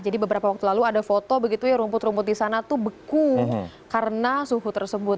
jadi beberapa waktu lalu ada foto begitu ya rumput rumput di sana itu beku karena suhu tersebut